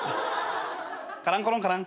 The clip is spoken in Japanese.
カランコロンカラン。